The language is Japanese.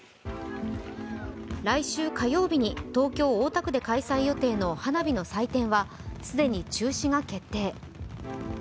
来週火曜日に東京・大田区で開催予定の花火の祭典は既に中止が決定。